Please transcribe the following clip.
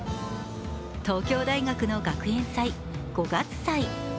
東京大学の学園祭、五月祭。